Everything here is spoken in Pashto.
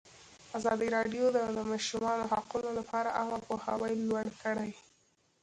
ازادي راډیو د د ماشومانو حقونه لپاره عامه پوهاوي لوړ کړی.